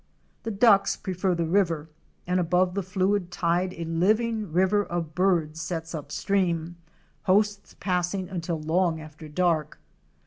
The Ducks prefer the river, and above the fluid tide a living river of birds sets up stream, hosts passing until long after dark.